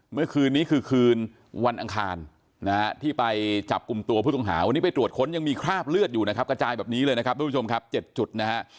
เมื่อคืนนี้คือคืนวันอังคารนะฮะที่ไปจับกลุ่มตัวผู้ต้องหาวันนี้ไปตรวจค้นยังมีคราบเลือดอยู่นะครับกระจายแบบนี้เลยนะครับทุกผู้ชมครับ๗จุดนะฮะ